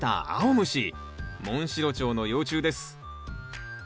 モンシロチョウの幼虫です。